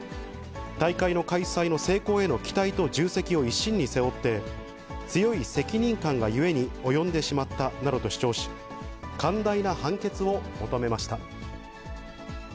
大会の開催の成功への期待と重責を一身に背負って、強い責任感がゆえに及んでしまったなどと主張し、寛大な判決を求めました。